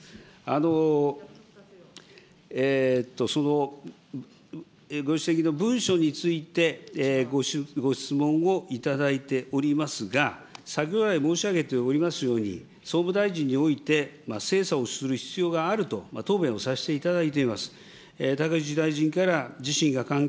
そのご指摘の文書について、ご質問をいただいておりますが、申し上げておりますが、総務大臣において、精査をする必要があると答弁をさせていただいております。